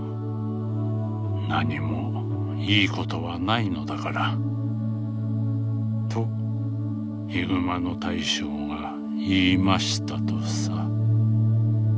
何も良いことはないのだから。とヒグマの大将が言いましたとさ」。